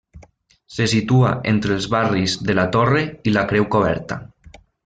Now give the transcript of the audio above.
Se situa entre els barris de la Torre i la Creu Coberta.